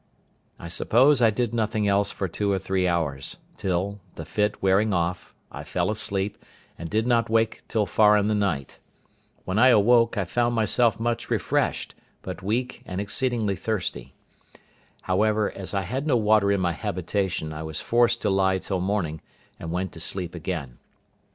I suppose I did nothing else for two or three hours; till, the fit wearing off, I fell asleep, and did not wake till far in the night. When I awoke, I found myself much refreshed, but weak, and exceeding thirsty. However, as I had no water in my habitation, I was forced to lie till morning, and went to sleep again.